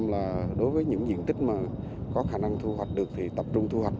là đối với những diện tích mà có khả năng thu hoạch được thì tập trung thu hoạch